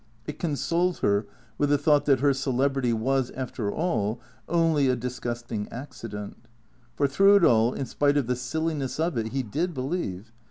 It consoled her with the thought that her celebrity was, after all, only a dis gusting accident. For, through it all, in spite of the silliness of it, he did believe.